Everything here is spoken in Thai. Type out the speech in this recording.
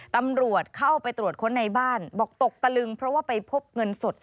ตำรวจเข้าไปตรวจค้นในบ้านบอกตกตะลึงเพราะว่าไปพบเงินสด